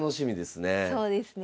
そうですね